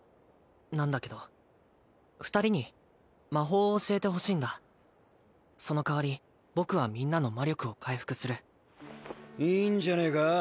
なんだけど２人に魔法を教えてほしいんだその代わり僕はみんなの魔力を回復するいいんじゃねえか？